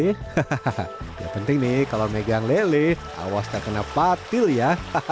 hahaha ya penting nih kalau megang lele awas tak kena patil ya